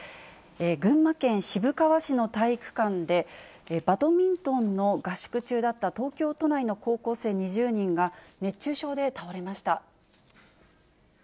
群馬県渋川市の体育館で、バドミントンの合宿中だった東京都内の高校生２０人が、熱中症で倒れました。